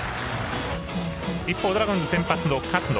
一方ドラゴンズ先発の勝野。